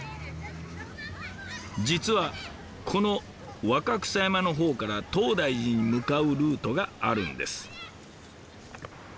実はこの若草山の方から東大寺に向かうルートがあるんです。